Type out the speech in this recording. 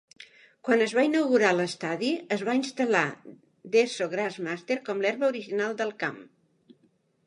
Quan es va inaugurar l'estadi, es va instal·lar Desso GrassMaster com l'herba original del camp.